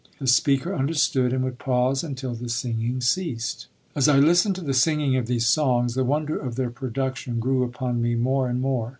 The speaker understood and would pause until the singing ceased. As I listened to the singing of these songs, the wonder of their production grew upon me more and more.